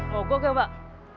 mau gue ke mbak